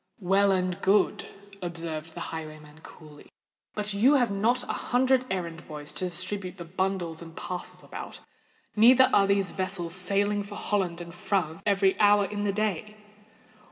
"Well and good," observed the highwayman coolly. "But you have not a hundred errand boys to distribute the bundles and parcels about: neither are there vessels sailing for Holland and France every hour in the day."